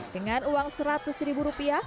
sekarang kami ke interior semua